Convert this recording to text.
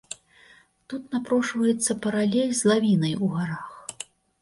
Тут напрошваецца паралель з лавінай у гарах.